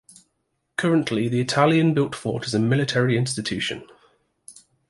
Currently the Italian-built fort is a military institution.